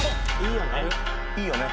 いいよね？